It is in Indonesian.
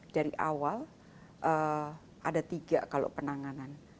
dari awal ada tiga kalau penanganan